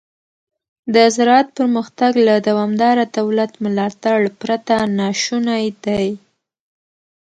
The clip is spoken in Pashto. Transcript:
د زراعت پرمختګ له دوامداره دولت ملاتړ پرته ناشونی دی.